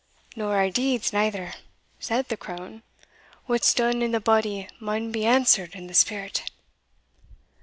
"Nor our deeds neither," said the crone: "what's dune in the body maun be answered in the spirit."